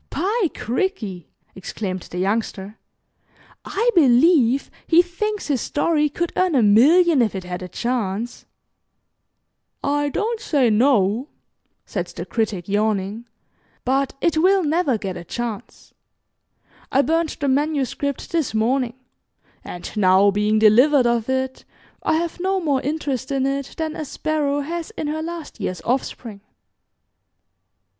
"By cricky," exclaimed the Youngster, "I believe he thinks his story could earn a million if it had a chance." "I don't say 'no,'" said the Critic, yawning, "but it will never get a chance. I burned the manuscript this morning, and now being delivered of it, I have no more interest in it than a sparrow has in her last year's offspring."